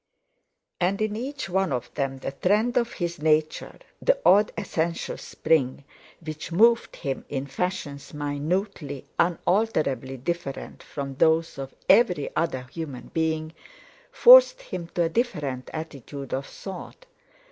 And in each one of them the trend of his nature, the odd essential spring, which moved him in fashions minutely, unalterably different from those of every other human being, forced him to a different attitude of thought.